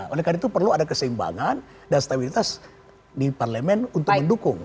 oleh karena itu perlu ada keseimbangan dan stabilitas di parlemen untuk mendukung